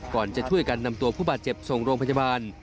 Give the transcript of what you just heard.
ก่อนจะช่วยกันนำตัวผู้บาดเจ็บส่งโรงพยาบาล